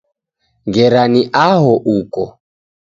Ngera ni aho uko